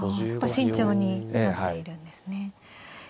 慎重になっているんですね。